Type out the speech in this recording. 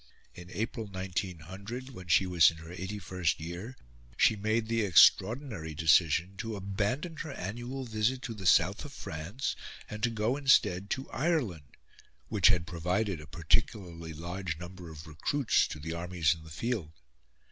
In April 1900, when she was in her eighty first year, she made the extraordinary decision to abandon her annual visit to the South of France, and to go instead to Ireland, which had provided a particularly large number of recruits to the armies in the field.